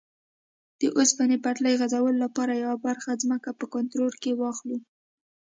د اوسپنې پټلۍ غځولو لپاره یوه برخه ځمکه په کنټرول کې واخلو.